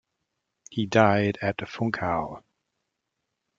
He died at Funchal.